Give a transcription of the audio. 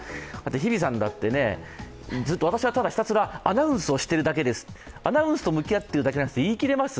日比さんだって、私は、ただひたすらアナウンスをしてるだけです、アナウンスをしているだけと言い切れます？